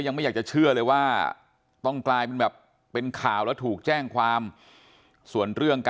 ยังไม่อยากจะเชื่อเลยว่าต้องกลายเป็นแบบเป็นข่าวแล้วถูกแจ้งความส่วนเรื่องการ